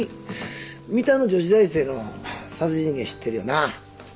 三田の女子大生の殺人事件知ってるよな？